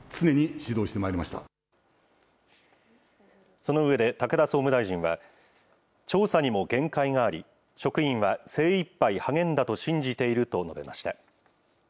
その上で、武田総務大臣は、調査にも限界があり、職員は精いっぱい励んだと信じていると述べました。